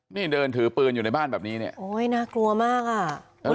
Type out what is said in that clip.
นี่เดินถือปืนอยู่ในบ้านแบบนี้เนี่ยโอ้ยน่ากลัวมากอ่ะ